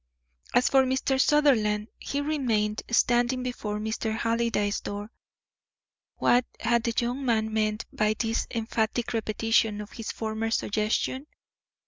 As for Mr. Sutherland, he remained standing before Mr. Halliday's door. What had the young man meant by this emphatic repetition of his former suggestion?